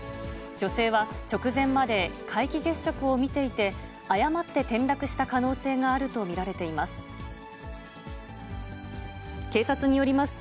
女性は直前まで皆既月食を見ていて、誤って転落した可能性があると見られています。